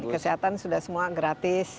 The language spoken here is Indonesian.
kesehatan sudah semua gratis